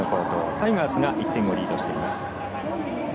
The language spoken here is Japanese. タイガースが１点をリードしています。